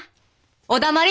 お黙り。